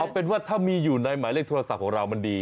เอาเป็นว่าถ้ามีอยู่ในหมายเลขโทรศัพท์ของเรามันดี